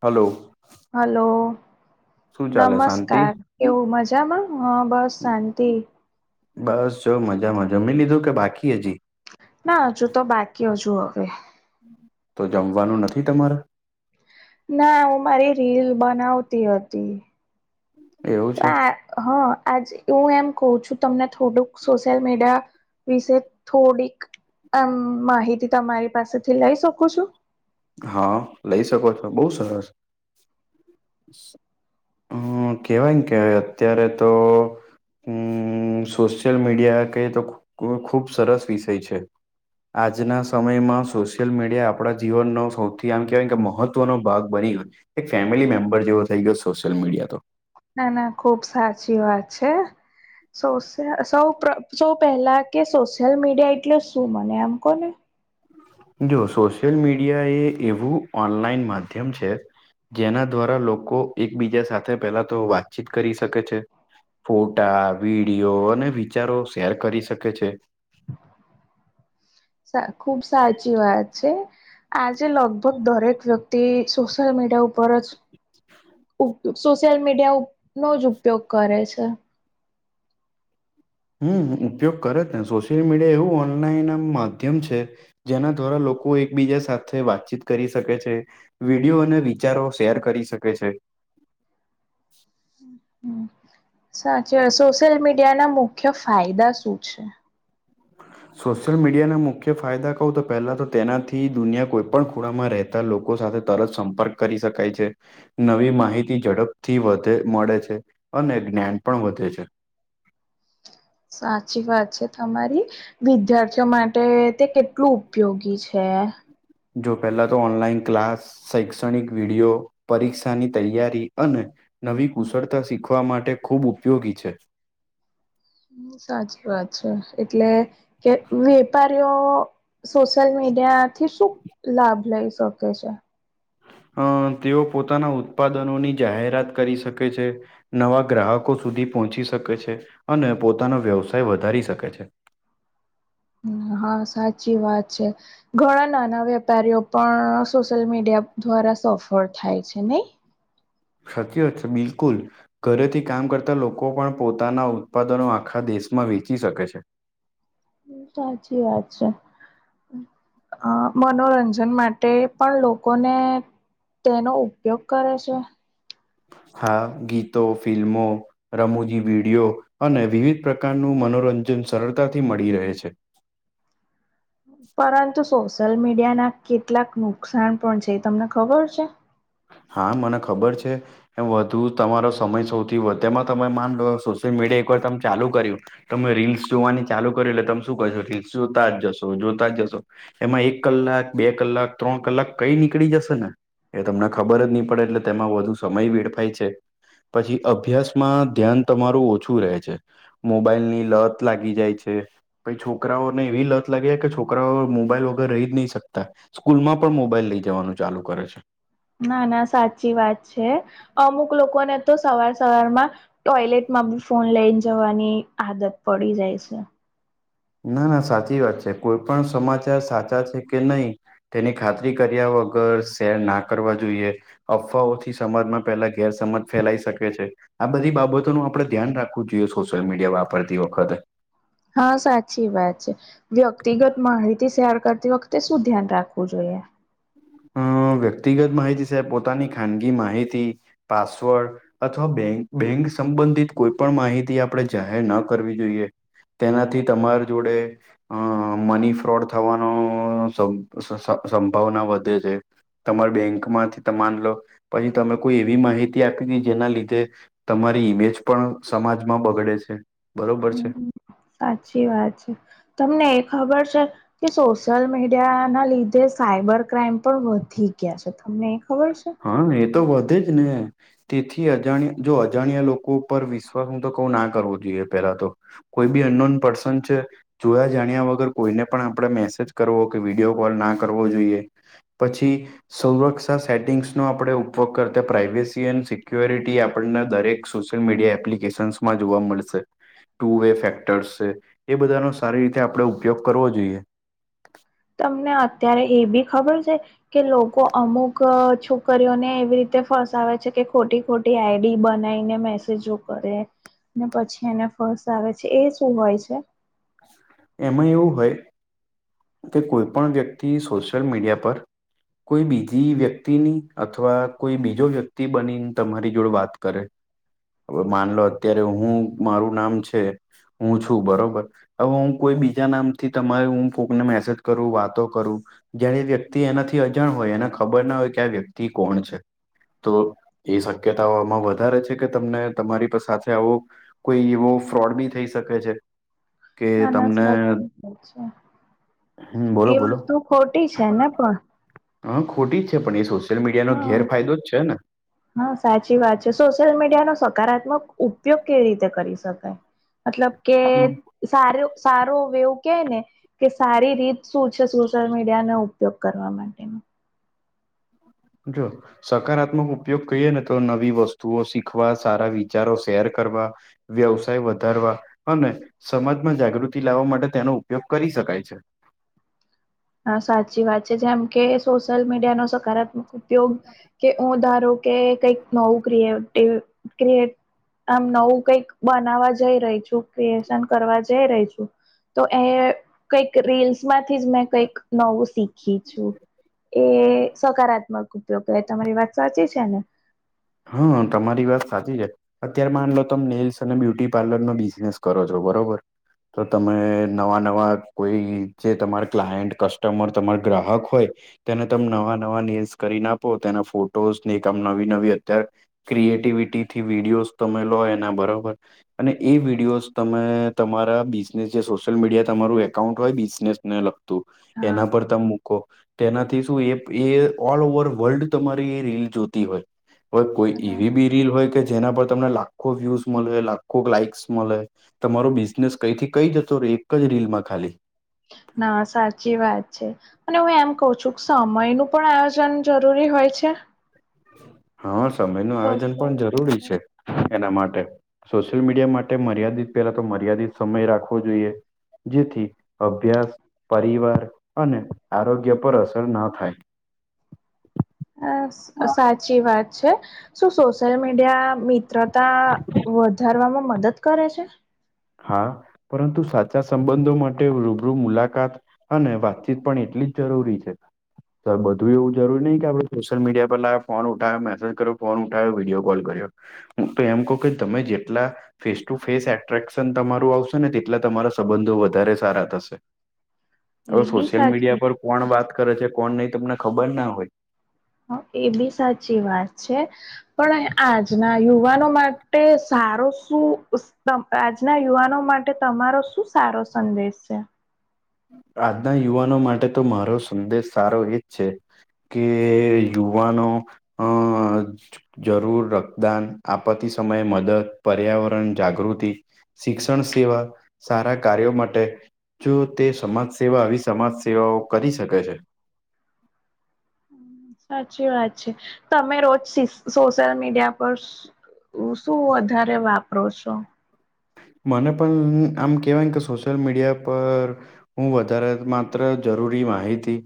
Hello. Hello. શું ચાલે શાંતિ નમસ્કાર. કેવું મજામાં? હા બસ શાંતિ. બસ જો મજામાં. જમી લીધું કે બાકી અજી? ના હજુ તો બાકી હજુ હવે. તો જમવાનું નથી તમારે? ના હું મારી રીલ બનાવતી હતી એવું તો છે આ હા આજ હું એમ કવ છું તમને થોડુંક સોશિયલ મીડિયા વિશે થોડીક આમ માહિતી તમારી પાસેથી લઈ શકું છું? હા લઈ શકો છો. બઉ સરસ. હમ કેવાયને કે અત્યારે તો હમ સોશિયલ મીડિયા કઈ એ તો ખુબ સરસ વિષય છે. આજના સમયમાં સોશિયલ મીડિયા આપણા જીવનનો સૌથી આમ કેવાય કે મહત્વનો ભાગ બની ગયો, એક ફેમિલી મેમ્બર જેવો થઈ ગયો સોશિયલ મીડિયા તો. ના ના ખુબ સાચી વાત છે. સૌ પેલા કે સોશિયલ મીડિયા એટલે શું મને એમ કો ને? જો સોશિયલ મીડિયા એ એવું ઓનલાઈન માધ્યમ છે. જેના દ્વારા લોકો એકબીજા સાથે પેલા તો વાતચીત કરી શકે છે. ફોટા, વિડીયો અને વિચારો શેર કરી શકે છે. ખુબ સાચી વાત છે. આજે લગભગ દરેક વ્ય ક્તિ સોશિયલ મીડિયા ઉપર જ સોશિયલ મીડિયાનો જ ઉપયોગ કરે છે. હમ ઉપયોગ કરે ને, સોશિયલ મીડિયા એવું ઓનલાઈન માધ્યમ છે. જેના દ્વારા લોકો એકબીજા સાથે વાતચીત કરી શકે છે. વિડિઓ અને વિચારો શેર કરી શકે છે. હમ. સાચી સોશિયલ મીડિયાના મુખ્ય ફાયદા શું છે? સોશિયલ મીડિયાના મુખ્ય ફાયદા કહું તો પહેલા તો તેનાથી દુનિયા કોઈપણ ખૂણામાં રહે બધા લોકો સાથે તરત સંપર્ક કરી શકાય છે. નવી માહિતી ઝડપથી વધે મળે છે અને જ્ઞાન પણ વધે છે. સાચી વાત છે તમારી વિદ્યાર્થીઓ માટે તે કેટલું ઉપયોગી છે. જો પહેલા તો ઓનલાઈન ક્લાસ શૈક્ષણિક વિડિઓ પરીક્ષાની તૈયારી અને નવી કુશળતા શીખવા માટે ખૂબ ઉપયોગી છે. હ સાચી વાત છે એટલે કે વેપારીઓ સોશિયલ મીડિયાથી શું લાભ લઈ શકે છે? અ તેઓ પોતાના ઉત્પાદનોની જાહેરાત કરી શકે છે. નવા ગ્રાહકો સુધી પહોંચી શકે છે અને પોતાનો વ્યવસાય વધારી શકે છે. હા સાચી વાત છે. ઘણા નાના વેપારીઓ પણ સોશિયલ મીડિયા દ્વારા સફળ થાય છે નહી. સાચી વાત છે બિલકુલ. ઘરેથી કામ કરતા લોકો પણ પોતાના ઉત્પાદનો આખા દેશમાં વેચી શકે છે. સાચી વાત છે. અ મનોરંજન માટે પણ લોકોને તેનો ઉપયોગ કરે છે. હા ગીતો ફિલ્મો રમુજી વિડિઓ અને વિવિધ પ્રકારનું મનોરંજન સરળતાથી મળી રહે છે. પરંતુ સોશિયલ મીડિયાના કેટલાક નુકસાન પણ છે એ તમને ખબર છે. હા મને ખબર છે. એમ વધુ તમારો સમય સૌથી વધે તેમાં તમે માન લો સોશિયલ મીડિયા એક વાર ચાલુ કર્યું- - તમે રીલ્સ જોવાની ચાલુ કરી એટલે તમે શું કહેશો રીલ્સ જોતા જશો જોતા જશો. એમાં એક કલાક બે કલાક ત્રણ કલાક કઈ નીકળી જશે ને એ તમને ખબર જ નહી પડે એટલે તેમાં વધુ સમય વેડફાય છે. પછી અભ્યાસમાં ધ્યાન તમારું ઓછું રહે છે. મોબાઈલની લત લાગી જાય છે. પહી છોકરાઓને એવી લત લાગે કે છોકરાઓ મોબાઈલ વગર રહી જ નહી શકતા. સ્કૂલમાં પણ મોબાઈલ લઈ જવાનું ચાલુ કરે છે. ના ના સાચી વાત છે અમુક લોકોને તો સવાર સવારમાં ટોયલેટમાં બી ફોન લઈન જવાની આદત પડી જાય છે. ના ના સાચી વાત છે કોઈ પણ સમાચાર સાચા છે કે નય તેની ખાતરી કર્યા વગર શેર ના કરવા જોઈએ. અફવાઓથી સમાજમાં પહેલા ગેર સમજ ફેલાઈ શકે છે. આ બધી બાબતોનું આપડે ધ્યાન રાખવું જોઈએ સોશિયલ મીડિયા વાપરતી વખતે. હા સાચી વાત છે વ્યક્તિગત માહિતી શેર કરતી વખતે શું ધ્યાન રાખવું જોઈએ? અ વ્યક્તિગત માહિતી સાહેબ પોતાની ખાનગી માહિતી પાસવર્ડ અથવા બેં બેંક સંબંધિત કોઈ પણ માહિતી આપણે જાહેર ન કરવી જોઈએ તેનાથી તમાર જોડે અ મની ફ્રોડ થવાનો સંભાવના વધે છે. તમાર બેંકમાંથી તમાન લો પછી તમે કોઈ એવી માહિતી આપી તી જેના લીધે તમારી ઈમેજ પણ સમાજમાં બગડે છે બરોબર છે. હમ સાચી વાત છે, તમને એ ખબર છે કે સોશિયલ મીડિયા એના લીધે સાયબર ક્રાઈમ પણ વધી ગયા છે. તમને એ ખબર છે હ એ તો વધે જ ને. તેથી અજાણ જો અજાણ્યા લોકો ઉપર વિશ્વાસ હું તો કઉ ના કરવો જોઈએ પેલા તો કોઈ બી અનનોન પર્સન છે. જોયા જાણ્યા વગર કોઈને પણ આપણે મેસેજ કરવો કે વિડીયો કોલ ના કરવો જોઈએ. પછી [unintelligible] સેટિંગ્સનો આપણે ઉપયોગ કરતા પ્રાઇવેસી એન્ડ સિક્યોરિટી આપણને દરેક સોશિયલ મીડિયા એપ્લિકેશન્સ માં જોવા મળશે. ટુ વે ફેક્ટર્સ છે એ બધાનો સારી રીતે આપણે ઉપયોગ કરવો જોઈએ. તમને અત્યારે એ બી ખબર છે. કે લોકો અમુક છોકરીઓને એવી રીતે ફસાવે છે કે ખોટી ખોટી આઈડી બનાય ને મેસેજો કરે ને પછી એને ફસાવે છે એ શું હોય છે? એમાં એવું હોય કે કોઈ પણ વ્યક્તિ સોશિયલ મીડિયા પર કોઈ બીજી વ્યક્તિની અથવા કોઈ બીજો વ્યક્તિ બનીને તમારી જોડે વાત કરે અવ માનલો અત્યારે હું મારું નામ છે હું છું બરોબર હવે હું કોઈ બીજા નામથી તમારે હું કોકને મેસેજ કરું, વાતો કરું જ્યારે વ્યક્તિ એનાથી અજાણ હોય એને ખબર ના હોય કે આ વ્યક્તિ કોણ છે. તો એ શક્યતાઓ આમાં વધારે છે કે તમને તમારી સાથે આવો કોઈ એવો ફ્રોડ બી થઈ શકે છે. કે તમને [unintelligible] છે હમ એ વાત તો ખોટી છે, ને પણ હ ખોટી જ છે પણ એ સોશિયલ મીડિયાનો ગેર હા ફાયદો જ છે ને? હા, સાચી વાત છે સોશિયલ મીડિયાનો સકારાત્મક ઉપયોગ કેવી રીતે કરી શકાય? મતલબ કે સાર સારો એવું કે ને? કે સારી રીત શું છે સોશિયલ મીડિયાનો ઉપયોગ કરવા માટે? જો સકારાત્મક ઉપયોગ કહીએ ને તો નવી વસ્તુઓ શીખવા, સારા વિચારો શેર કરવા વ્યવસાય વધારવા અને સમાજમાં જાગૃતિ લાવવા માટે તેનો ઉપયોગ કરી શકાય છે. હા સાચી વાત છે જેમ કે સોશિયલ મીડિયાનો સકારાત્મક ઉપયોગ કે હું ધારો કે કઈક નવું ક્રિએટી ક્રિ આમ નવું કઈક બનાવવા જઈ રહી છું ક્રિએશન કરવા જઈ રહી છું. તો એ કઈક રીલ્સમાંથી જ મેં કંઈક નવું શીખી છું. એ સકારાત્મક ઉપયોગ કેહવાય તમારી વાત સાચી છે ને? હ તમારી વાત સાચી છે. અત્યારે માન લો તમે નેલ્સ અને બ્યુટી પાર્લરનો બિઝનેસ કરો છો, બરોબર. તો તમે નવા-નવા કોઈ જે તમાર ક્લાયન્ટ કસ્ટમર તમાર ગ્રાહક હોય તેને તમે નવા નવા નેલ્સ કરીને આપો તેના ફોટોસ ને એક આમ નવી નવી ત્યારે ક્રિએટિવિટીથી વિડીયોઝ તમે લો એના બરોબર અને એ વિડીયોઝ તમે તમારા બિઝનેસ જે સોશિયલ મીડિયા તમારું એકાઉન્ટ હોય બિઝનેસ ને લગતું હા એના પર તમે તેનાથી શું એ એ ઓલ ઓવર વર્લ્ડ તમારી એ રીલ જોતી હોય. હવે કોઈ એવી બી રીલ હોય કે જેના પર તમને લાખો વ્યુઝ મલે, લાખો લાાઈક્સ મલે. તમારો બિઝનેસ કઈથી કઈ જતો એક જ રીલમાં ખાલી ના સાચી વાત છે. અને હું એમ કવ છું સમયનું પણ આયોજન જરૂરી હોય છે. હા સમયનું આયોજન પણ જરૂરી છે. એના માટે સોશિયલ મીડિયા માટે મર્યાદિત પેલા તો મર્યાદિત સમય રાખવો જોઈએ. જેથી અભ્યાસ પરિવાર અને આરોગ્ય પર અસર ન થાય. અ સાચી વાત છે શું સોશિયલ મીડિયા? મિત્રતા વધારવામાં મદદ કરે છે. હા પરંતુ સાચા સંબંધો માટે રૂબરૂ મુલાકાત અને વાતચીત પણ એટલી જ જરૂરી છે. તો બધું એવું જરૂરી નહી કે આપણે સોશિયલ મીડિયા પર લાવ્યા ફોન ઉઠાયો મેસેજ કર્યો ફોન ઉઠાયો વિડીયો કોલ કર્યો. હું તો એમ કવ કે તમે જેટલા ફેસ ટુ ફેસ એટ્રેક તમારું આવશે ને તેટલા તમારા સંબંધો વધારે સારા થશે. હવે એ બી સોશિયલ સાચી મીડિયા પર કોણ વાત કરે છે કોણ નહી તમને ખબર ના હોય. હ એ બી સાચી વાત છે. પણ આજના યુવાનો માટે સારો શું તો આજના યુવાનો માટે તમારો શું સારો સંદેશ છે? આજના યુવાનો માટે તો મારો સંદેશ સારો એજ છે કે યુવાનો અ જરૂર રક્તદાન, આપત્તિ સમયે મદદ, પર્યાવરણ જાગૃતિ શિક્ષણ સેવા સારા કાર્યો માટે જો તે સમાજ સેવા આવી સમાજ સેવાઓ કરી શકે છે. સાચી વાત છે તમે રોજ સો સોશિયલ મીડિયા પર એવું શું વધારે વાપરો છો. મને પણ [unintelligible] આમ કહેવાય ને કે સોશિયલ મીડિયા પર હું વધારે માત્ર જરૂરી માહિતી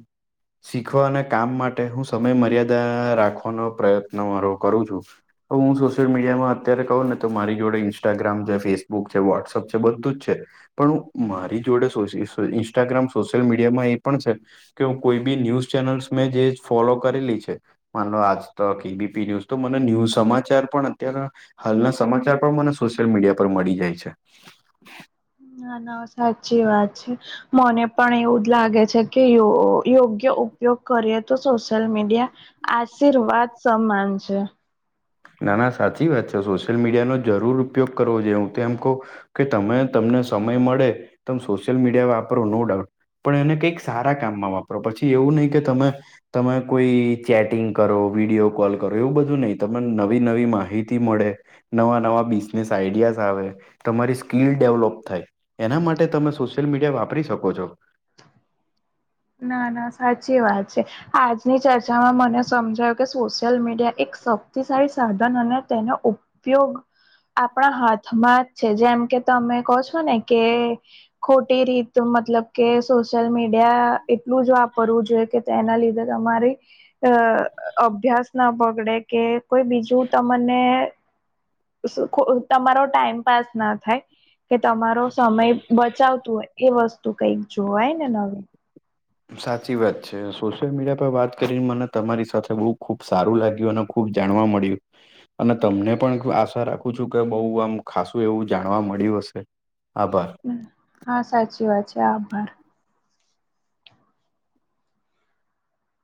શીખવા અને કામ માટે હું સમય મર્યાદા રાખવાનો પ્રયત્ન મારો કરું છું. તો હું સોશિયલ મીડિયામાં અત્યારે કહું ને તો મારી જોડે ઇન્સ્ટાગ્રામ છે ફેસ બુક છે, વોટ્સએપ છે, બધું જ છે. પણ [unintelligible] મારી જોડે સોશિયલ ઇન્સ્ટાગ્રામ સોશિયલ મીડિયામાં એ પણ છે કે હું કોઈ બી ન્યૂઝ ચેનલ્સ મેં જે ફોલો કરેલી છે માન લો આજ તો કેબીપી ન્યુઝ તો મને ન્યૂઝ સમાચાર પણ અત્યારે હાલના સમાચાર પણ મને સોશિયલ મીડિયા પર મળી જાય છે. ના ના સાચી વાત છે. મને પણ એવું જ લાગે છે કે યો યોગ્ય ઉપયોગ કરીએ તો સોશિયલ મીડિયા આશીર્વાદ સમાન છે. ના ના સાચી વાત છે સોશિયલ મીડિયાનો જરૂર ઉપયોગ કરવો જોઈએ હું તો એમ કહું કે તમે તમને સમય મળે તમે સોશિયલ મીડિયા વાપરો નો ડાઉટ પણ એને કંઈક સારા કામમાં વાપરો પછી એવું નહી કે તમે તમે કોઈ ચેટિંગ કરો વિડીયો કોલ કરો એવું બધું નહી તો પણ નવી નવી માહિતી મળે. નવા નવા બિઝનેસ આઈડિયાઝ આવે તમારી સ્કીલ ડેવલોપ થાય. એના માટે તમે સોશિયલ મીડિયા વાપરી શકો છો. ના ના સાચી વાત છે. આજની ચર્ચામાં મને સમજાયું કે સોશિયલ મીડિયા એક શક્તિશાળી સાધન અને તેનો ઉ ઉપયોગ આપણા હાથમાં જ છે જેમ કે તમે કહો છો ને કે ખોટી રીત મતલબ કે સોશિયલ મીડિયા એટલું જ વાપરવું જોઈએ કે તેના લીધે તમારે અ અભ્યાસ ના બગડે કે કોઈ બીજું તમને [unintelligible] તમારો ટાઈમ પાાસ ના થાય. કે તમારો સમય બચાવતું હોય એ વસ્તુ કંઈક જોવાય ને નવી સાચી વાત છે, સોશિયલ મીડિયા પર વાત કરીને, મને તમારી સાથે બહુ ખુબ સારું લાગ્યું, અને ખુબ જાણવા મળ્યું. અને તમને પણ આશા રાખું છું કે, બહુ આમ ખાસું એવું જાણવા મળ્યું હશે. આભાર. [unintelligible] હા, સાચી વાત છે, આભાર.